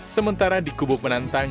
sementara di kubu penantang